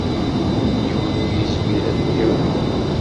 Yiwen ur yezmir ad ten-yawi.